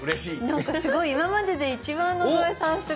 なんか今までで一番野添さんすごい。